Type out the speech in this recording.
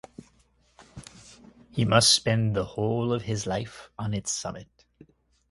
He must spend the whole of his life on its summit.